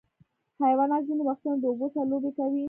حیوانات ځینې وختونه د اوبو سره لوبې کوي.